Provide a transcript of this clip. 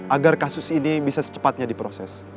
agar kasus ini bisa secepatnya diproses